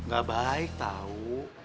gak baik tau